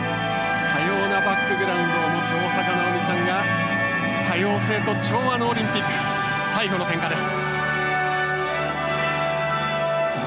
多様なバックグラウンドを持つ大坂なおみさんが「多様性と調和」のオリンピック最後の点火です。